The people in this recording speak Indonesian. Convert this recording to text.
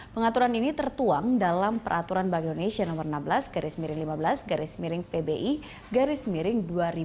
pengaturan ini tertuang dalam peraturan bank indonesia nomor enam belas garis miring lima belas garis miring pbi garis miring dua ribu dua puluh